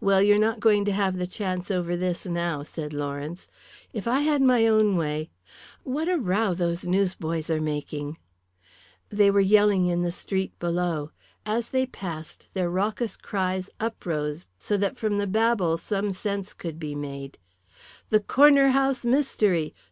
"Well, you're not going to have the chance over this now," said Lawrence. "If I had my own way what a row those newsboys are making!" There were yelling in the street below. As they passed their raucous cries uprose so that from the babel some sense could be made "The Corner House Mystery!